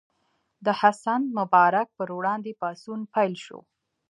د حسن مبارک پر وړاندې پاڅون پیل شو.